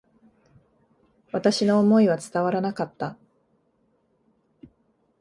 私の思いは伝わらなかった。